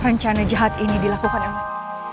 rencana jahat ini dilakukan oleh